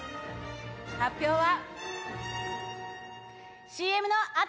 発表は。